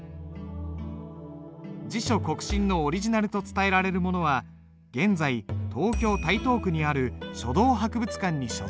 「自書告身」のオリジナルと伝えられるものは現在東京・台東区にある書道博物館に所蔵されている。